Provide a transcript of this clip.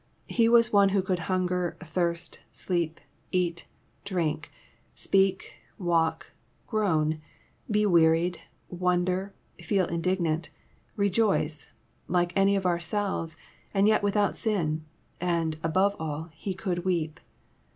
He was one who could hunger, thirst, sleep, eat, drink, speak, walk, groan, be wearied, wonder, feel indignant, rejoice, like any of ourselves, and yet without sin; and, above all. He could weep.